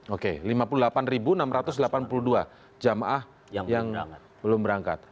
oke lima puluh delapan enam ratus delapan puluh dua jamaah yang belum berangkat